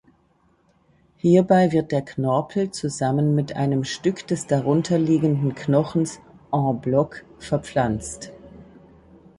Hierbei wird der Knorpel zusammen mit einem Stück des darunterliegenden Knochens „en bloc“ verpflanzt.